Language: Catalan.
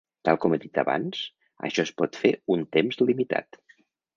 Tal com he dit abans, això es pot fer un temps limitat.